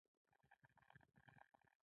ونې پاڼې وښورېدې.